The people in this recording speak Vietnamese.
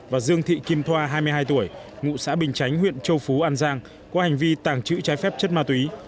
và dương thị kim thoa hai mươi hai tuổi ngụ xã bình chánh huyện châu phú an giang có hành vi tàng trữ trái phép chất ma túy